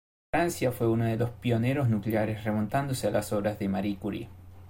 Francia fue uno de los pioneros nucleares remontándose a las obras de Marie Curie.